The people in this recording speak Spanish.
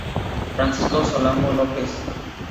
Francisco Solano López Km.